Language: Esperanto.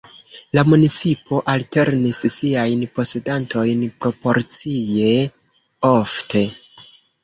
La municipo alternis siajn posedantojn proporcie ofte.